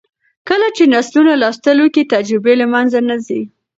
کله چې نسلونه لوستل کوي، تجربې له منځه نه ځي.